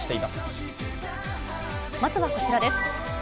まずはこちらです。